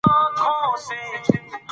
زه هڅه کوم تل رښتینی واوسم.